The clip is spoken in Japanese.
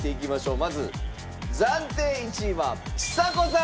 まず暫定１位はちさ子さん！